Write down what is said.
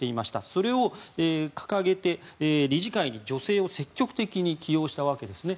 それを掲げて理事会に女性を積極的に起用したわけですね。